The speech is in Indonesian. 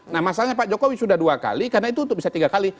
nah masalahnya pak jokowi sudah dua kali karena itu untuk bisa tiga kali